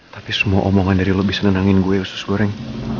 tapi semua omongan dari lo bisa nendangin gue usus goreng